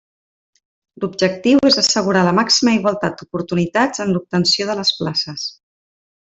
L'objectiu és assegurar la màxima igualtat d'oportunitats en l'obtenció de les places.